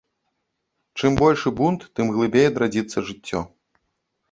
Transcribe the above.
Чым большы бунт, тым глыбей адрадзіцца жыццё.